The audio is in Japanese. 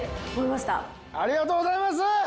ありがとうございます！